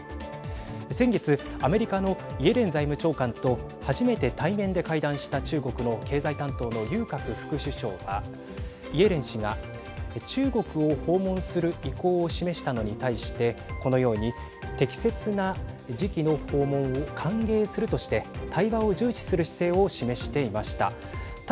先月アメリカのイエレン財務長官と初めて対面で会談した中国の経済担当の劉鶴副首相はイエレン氏が中国を訪問する意向を示したのに対してこのように、適切な時期の訪問を歓迎するとして対話を重視する姿勢を示していました。